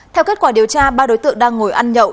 theo kết quả điều tra ba đối tượng đang ngồi ăn nhậu